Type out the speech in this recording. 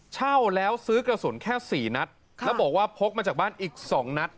เช่าแล้วซื้อกระสุนแค่๔นัดแล้วบอกว่าพกมาจากบ้านอีก๒นัด